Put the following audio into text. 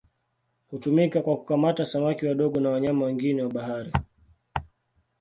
Hutumika kwa kukamata samaki wadogo na wanyama wengine wa bahari.